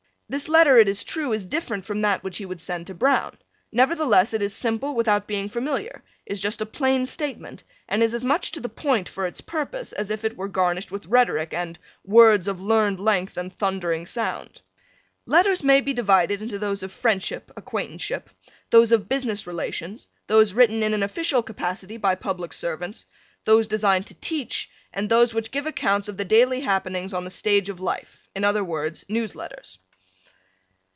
This letter, it is true, is different from that which he would send to Browne. Nevertheless it is simple without being familiar, is just a plain statement, and is as much to the point for its purpose as if it were garnished with rhetoric and "words of learned length and thundering sound." Letters may be divided into those of friendship, acquaintanceship, those of business relations, those written in an official capacity by public servants, those designed to teach, and those which give accounts of the daily happenings on the stage of life, in other words, news letters.